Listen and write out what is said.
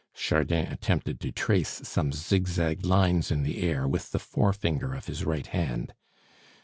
Chardin attempted to trace some zigzag lines in the air with the forefinger of his right hand.